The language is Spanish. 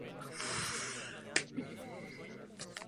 Nunca se solicitó la derogación.